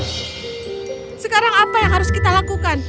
hmm sekarang apa yang harus kita lakukan